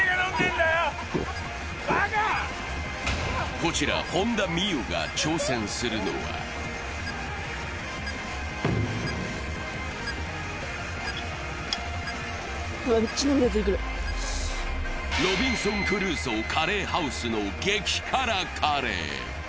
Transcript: こちら本田望結が挑戦するのはロビンソンクルーソーカレーハウスの激辛カレー。